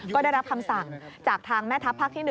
ก็ได้รับคำสั่งจากทางแม่ทัพภาคที่๑